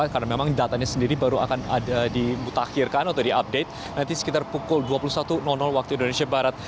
karena memang datanya sendiri baru akan diutakhirkan atau diupdate nanti sekitar pukul dua puluh satu waktu indonesia barat